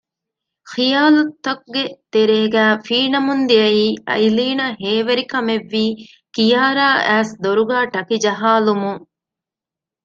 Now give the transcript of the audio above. ޚިޔާލުތަކުގެ ތެރޭގައި ފީނަމުންދިޔަ އައިލީނަށް ހޭވެރިކަމެއްވީ ކިޔާރާާ އައިސް ދޮރުގައި ޓަކި ޖަހާލުމުން